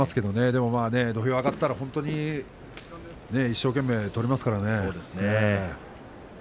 でも土俵に上がったら一生懸命、取りますからね。